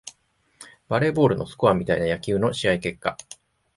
バレーボールのスコアみたいな野球の試合結果